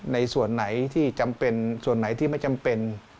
ในส่วนไหนที่จำเป็นส่วนไหนที่ไม่จำเป็น